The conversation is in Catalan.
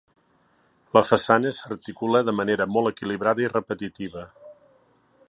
La façana s'articula de manera molt equilibrada i repetitiva.